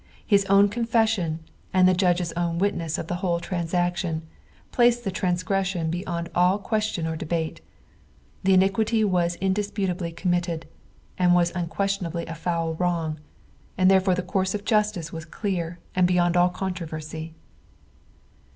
His own confession, and the judge's own witness of the whole transaction, placed the trans gression beyond all question or debate ; the iniquity was indisputably committed, and was unquestionnbly a foul wrong, ond therefore the course of justice was clear and beyond all controversy.